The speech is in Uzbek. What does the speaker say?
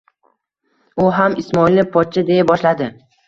U ham Ismoilni «pochcha», deya boshladi.